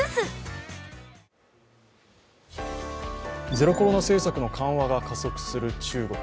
ゼロコロナ政策の緩和が加速する中国。